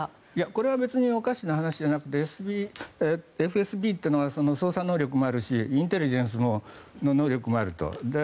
これは別におかしな話じゃなくてＦＳＢは捜査能力もあるしインテリジェンスの能力もあると。